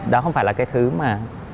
đó không phải là cái thứ mà